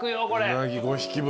うなぎ５匹分。